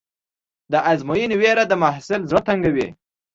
د ازموینې وېره د محصل زړه تنګوي.